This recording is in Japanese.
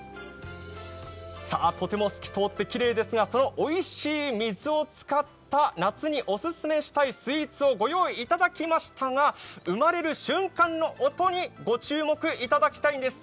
とても透き通ってきれいですが、そのおいしい水を使った夏にオススメしたいスイーツをご用意いただきましたが生まれる瞬間の音にご注目いただきたいんです。